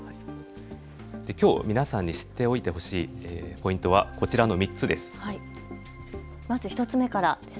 きょう、皆さんに知っておいてほしいポイントはこちらの３つです。